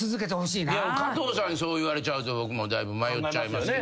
加藤さんにそう言われちゃうと僕もだいぶ迷っちゃいますけど。